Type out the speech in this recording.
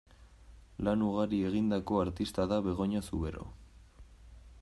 Lan ugari egindako artista da Begoña Zubero.